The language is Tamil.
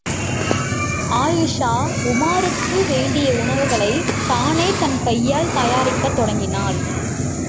அயீஷா, உமாருக்கு வேண்டிய உணவுகளைத் தானே தன் கையால் தயாரிக்கத் தொடங்கினாள்.